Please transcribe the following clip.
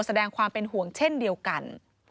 แสดงความเป็นห่วงเช่นเดียวกัน